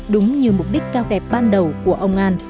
đúng như mục đích cao đẹp ban đầu của ông an